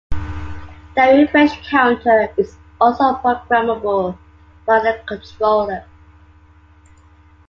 The refresh counter is also programmable by the controller.